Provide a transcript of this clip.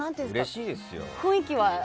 雰囲気は？